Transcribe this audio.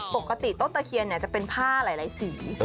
ปกติต้นตะเคียนจะเป็นผ้าหลายสี